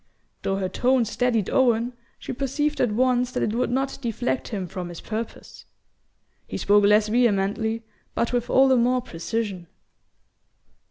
Though her tone steadied Owen, she perceived at once that it would not deflect him from his purpose. He spoke less vehemently, but with all the more precision.